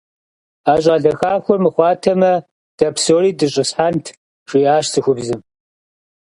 А щӀалэ хахуэр мыхъуатэмэ, дэ псори дыщӀисхьэнт, - жиӀащ цӀыхубзым.